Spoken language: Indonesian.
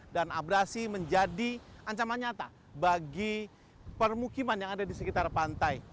dan abrasi menjadi ancaman nyata bagi permukiman yang ada di sekitar pantai